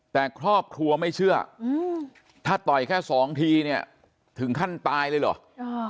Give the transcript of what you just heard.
แต่ครอบครัวไม่เชื่อถ้าต่อยแค่สองทีเนี่ยถึงขั้นตายเลยเหรอ